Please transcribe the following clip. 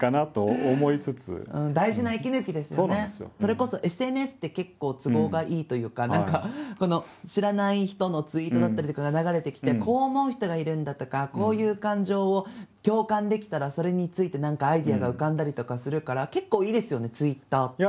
それこそＳＮＳって結構都合がいいというか何かこの知らない人のツイートだったりとかが流れてきてこう思う人がいるんだとかこういう感情を共感できたらそれについて何かアイデアが浮かんだりとかするから結構いいですよねＴｗｉｔｔｅｒって。